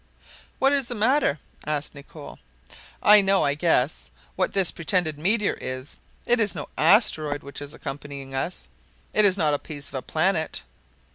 "What is the matter," asked Nicholl. "I know, I guess, what this pretended meteor is! It is no asteroid which is accompanying us! It is not a piece of a planet."